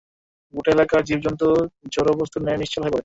গোটা এলাকার জীব-জন্তু জড়-বস্তুর ন্যায় নিশ্চল হয়ে পড়ে।